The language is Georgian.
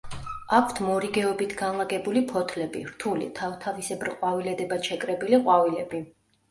აქვთ მორიგეობით განლაგებული ფოთლები, რთული, თავთავისებრ ყვავილედებად შეკრებილი ყვავილები.